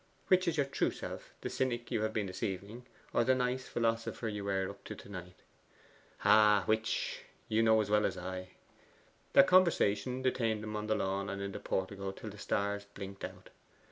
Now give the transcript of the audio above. Which is your true self the cynic you have been this evening, or the nice philosopher you were up to to night?' 'Ah, which? You know as well as I.' Their conversation detained them on the lawn and in the portico till the stars blinked out.